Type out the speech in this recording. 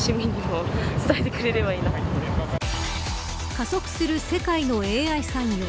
加速する世界のＡＩ産業。